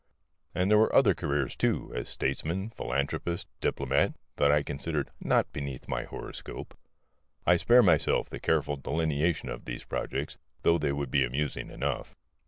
And there were other careers, too, as statesman, philanthropist, diplomat, that I considered not beneath my horoscope. I spare myself the careful delineation of these projects, though they would be amusing enough.